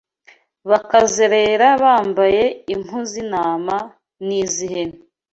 bakazerera bambaye impu z’intama n’iz’ihene